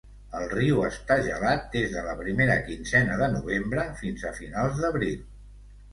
El riu està gelat des de la primera quinzena de novembre fins a finals d'abril.